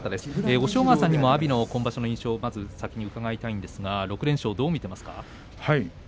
押尾川さんにも阿炎の今場所の印象を先に伺いたいんですが６連勝、どう見てますか？